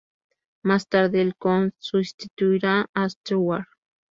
Más tarde, Al Cohn sustituiría a Steward.